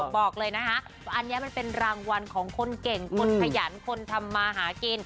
บอกเลยนะคะอันนี้มันเป็นรางวัลของคนเก่งคนขยันคนทำมาหากิน